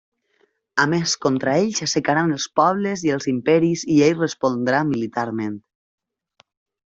A més contra ell s'aixecaran els pobles i els imperis i ell respondrà militarment.